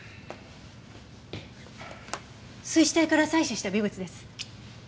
水死体から採取した微物です。